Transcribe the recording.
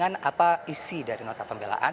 dan apa isi dari nota pembelaan